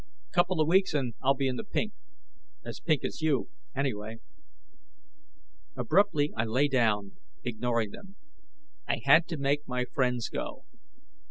Couple of weeks, and I'll be in the pink; as pink as you, anyway." Abruptly, I lay down, ignoring them. I had to make my friends go.